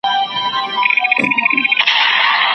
دوی له پخوا د خپلو لیکنو د خپرولو هڅه کوله.